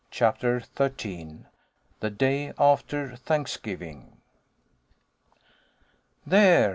CHAPTER XIII THE DAY AFTER THANKSGIVING. " THERE